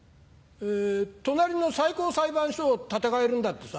隣の最高裁判所を建て替えるんだってさ。